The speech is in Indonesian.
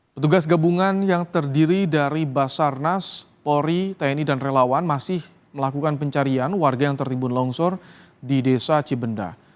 petugas gabungan yang terdiri dari basarnas polri tni dan relawan masih melakukan pencarian warga yang tertimbun longsor di desa cibenda